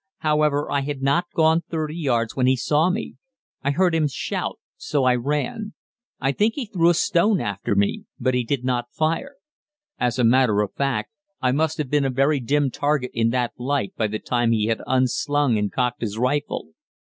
However, I had not gone 30 yards when he saw me. I heard him shout, so I ran. I think he threw a stone after me, but he did not fire. As a matter of fact, I must have been a very dim target in that light by the time he had unslung and cocked his rifle.